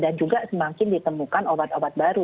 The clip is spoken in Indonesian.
dan juga semakin ditemukan obat obat baru